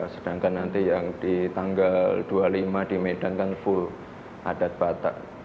sedangkan nanti yang di tanggal dua puluh lima di medan kan full adat batak